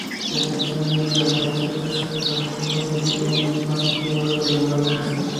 La excepción es la Manchester Statistical Society, más antigua que la de Londres.